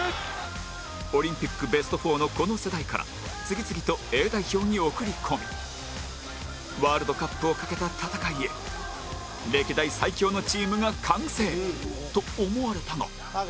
オリンピックベスト４のこの世代から次々と Ａ 代表に送り込みワールドカップを懸けた戦いへ歴代最強のチームが完成と思われたが